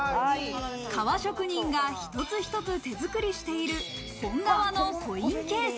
革職人が一つ一つ手作りしている、本革のコインケース。